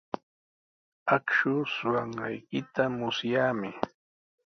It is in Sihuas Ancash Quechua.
Akshuu suqanqaykita musyaami.